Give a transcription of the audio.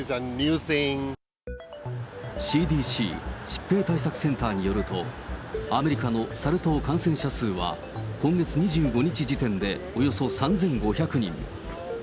ＣＤＣ・疾病対策センターによると、アメリカのサル痘感染者数は、今月２５日時点でおよそ３５００人。